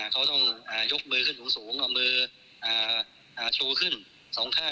เขาต้องยกมือขึ้นหรือสูงเอามือชูขึ้น๒ท่า